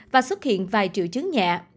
và xuất hiện vài triệu chứng nhẹ